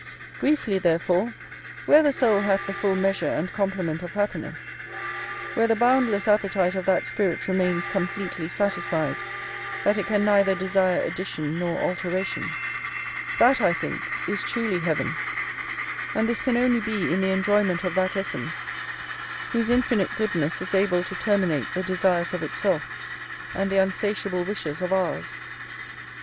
Briefly, therefore, where the soul hath the full measure and complement of happiness; where the boundless appetite of that spirit remains completely satisfied that it can neither desire addition nor alteration; that, I think, is truly heaven: and this can only be in the enjoyment of that essence, whose infinite goodness is able to terminate the desires of itself, and the unsatiable wishes of ours.